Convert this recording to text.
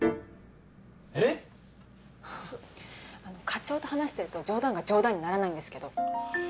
えっ⁉課長と話してると冗談が冗談にならないんですけど。